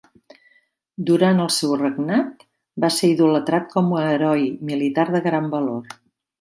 Durant el seu regnat, va ser idolatrat com a heroi militar de gran valor.